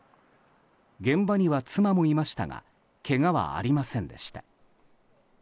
現場には妻もいましたがけがはありませんでした。